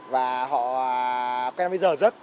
và họ quen với giờ giấc